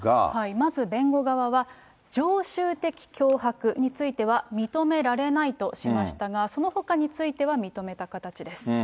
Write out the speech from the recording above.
まず弁護側は、常習的脅迫については、認められないとしましたが、そのほかについては認めた形です。